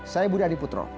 saya budi adiputro